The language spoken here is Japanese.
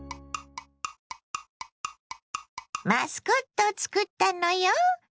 マスコットを作ったのよ。